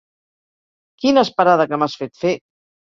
Quina esperada que m'has fet fer!